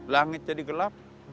langit jadi gelap